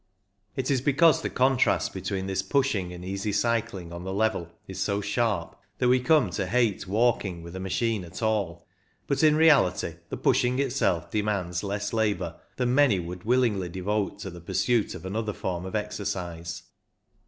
It is because the contrast between this pushing and easy cycling on the level is so sharp that we. come to hate walking with a THE LABOUR INVOLVED 215 machine at all ; but in reality the pushing itself demands less labour than many would willingly devote to the pursuit of another form of exercise.